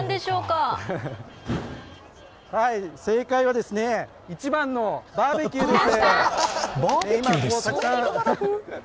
正解は１番のバーベキューです。